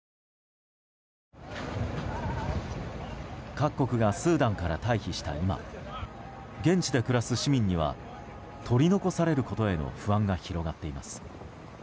各国がスーダンから退避した今現地で暮らす市民には取り残されることへの不安が広がっています。